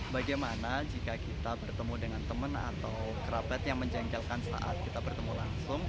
bagaimana jika kita bertemu dengan teman atau kerabat yang menjengkelkan saat kita bertemu langsung